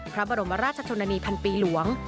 พระบรมราชชนนานีพันปีหลวง